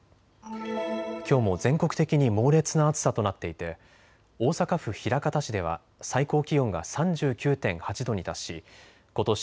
きょうも全国的に猛烈な暑さとなっていて大阪府枚方市では最高気温が３９．８度に達しことし